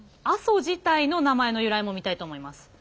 阿蘇自体の名前の由来も見たいと思います。